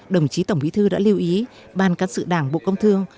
đồng chí tổng bí thư đã lưu ý ban cán sự đảng bộ công thương